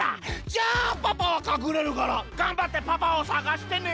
じゃあパパはかくれるからがんばってパパを探してね！